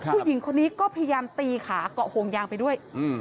ผู้หญิงคนนี้ก็พยายามตีขาเกาะห่วงยางไปด้วย